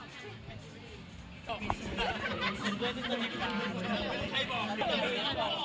รู้จักกันไม่ได้ดิ